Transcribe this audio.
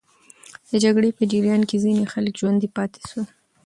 د جګړې په جریان کې ځینې خلک ژوندي پاتې سول.